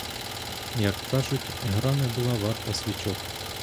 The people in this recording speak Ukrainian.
Як кажуть, гра не була варта свічок.